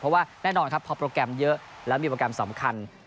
เพราะว่าแน่นอนครับพอโปรแกรมเยอะแล้วมีโปรแกรมสำคัญ